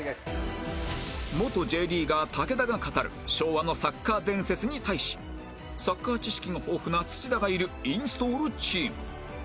元 Ｊ リーガー武田が語る昭和のサッカー伝説に対しサッカー知識の豊富な土田がいるインストールチーム